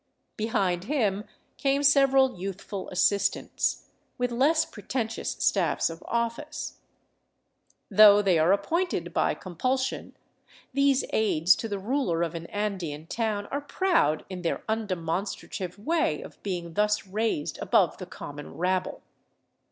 Behind him came several youthful assistants, with less pre tentious staffs of office. Though they are appointed by compulsion, these aids to the ruler of an Andean town are proud in their un demonstative way of being thus raised above the common rabble.